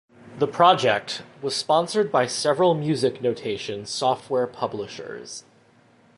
The project was sponsored by several music notation software publishers.